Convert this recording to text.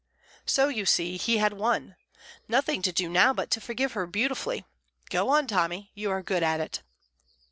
So, you see, he had won; nothing to do now but forgive her beautifully. Go on, Tommy; you are good at it.